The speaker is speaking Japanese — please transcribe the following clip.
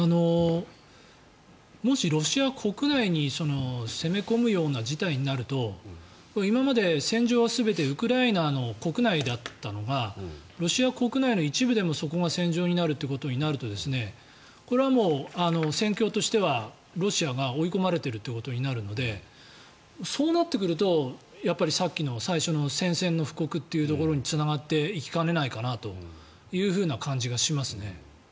もし、ロシア国内に攻め込むような事態になると今まで戦場は全てウクライナの国内であったのがロシア国内の一部でも、そこが戦場になるということになるとこれは戦況としてはロシアが追い込まれているということになるのでそうなってくるとやっぱりさっきの最初の宣戦の布告というところにつながっていきかねないかなというふうな感じがします。